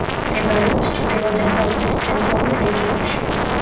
მდებარეობს ჩრდილო-დასავლეთის ცენტრალურ რეგიონში.